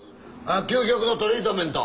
究極のトリートメント。